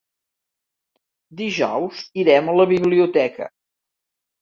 Dijous irem a la biblioteca.